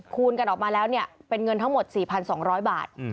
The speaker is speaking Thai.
กันออกมาแล้วเป็นเงินทั้งหมด๔๒๐๐บาท